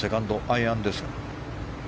アイアンです。